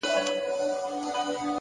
د عمل دوام بریا نږدې کوي.